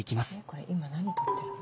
これ今何取ってるの？